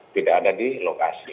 tidak ada di lokasi